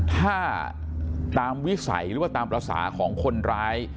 ถ้าตามวิสัยหรือว่าตามภาษาของคนร้าย